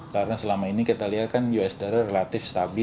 karena selama ini kita lihat kan usd relatif stabil